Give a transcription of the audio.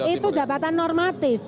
itu jabatan normatif